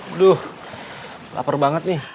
aduh lapar banget nih